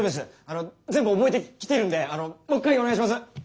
あの全部覚えてきてるんであのもう一回お願いします！